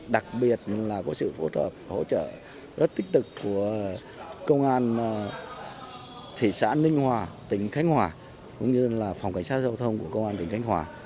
đặc biệt là có sự phối hợp hỗ trợ rất tích cực của công an thị xã ninh hòa tỉnh khánh hòa cũng như phòng cảnh sát giao thông của công an tỉnh khánh hòa